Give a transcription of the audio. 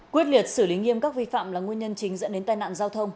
quyết liệt xử lý nghiêm các vi phạm là nguyên nhân chính dẫn đến tai nạn giao thông